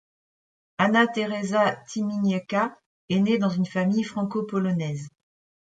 Anna-Teresa Tymieniecka est née dans une famille franco-polonaise.